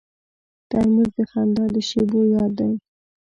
ترموز د خندا د شیبو یاد دی.